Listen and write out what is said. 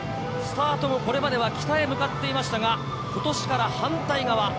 スタートもこれまで北へ向かっていましたが今年から反対側。